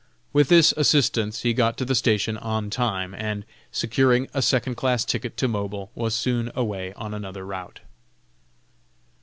With this assistance he got to the station "on time," and, securing a second class ticket to Mobile, was soon away on another route.